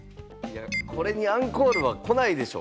これにアンコールは来ないでしょ。